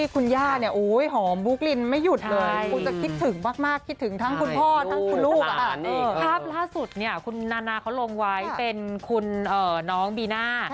ครับล่าสุดเนี่ยคุณนาเขาลงไว้เป็นคุณน้องบีน่า